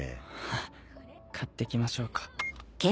ハハッ買ってきましょうか。